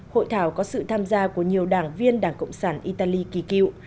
hội thảo có sự tham gia của nhiều đảng viên đảng cộng sản italy kỳ cựu